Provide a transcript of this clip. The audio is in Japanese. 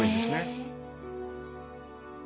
へえ。